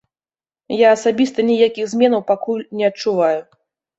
Я асабіста ніякіх зменаў пакуль не адчуваю.